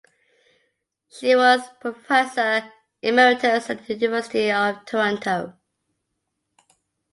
She was a professor emeritus at the University of Toronto.